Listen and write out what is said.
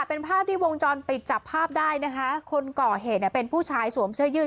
เป็นภาพที่วงจรปิดจับภาพได้นะคะคนก่อเหตุเนี่ยเป็นผู้ชายสวมเสื้อยืด